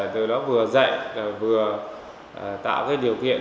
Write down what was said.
từ đó vừa dạy vừa tạo điều kiện